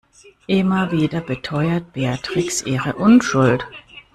Immer wieder beteuert Beatrix ihre Unschuld.